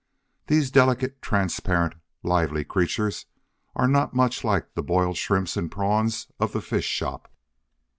These delicate, transparent, lively creatures are not much like the boiled Shrimps and Prawns of the fish shop.